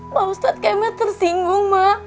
pak ustadz kema tersinggung mak